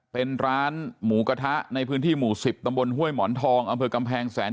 เป็นร้านหมูกระทะในพื้นที่หมู่๑๐ตำบลห้วยหมอนทองอำเภอกำแพงแสน